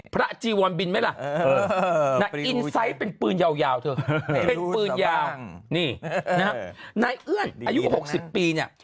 พระจีวอลบินไม่ล่ะปืนยาวเท่าอ่ะในเอื้อนอายุ๖๐ปีเนี่ย